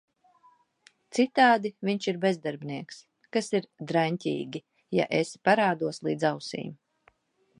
Citādi viņš ir bezdarbnieks - kas ir draņķīgi, ja esi parādos līdz ausīm…